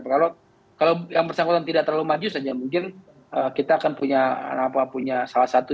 kalau yang bersangkutan tidak terlalu maju saja mungkin kita akan punya salah satu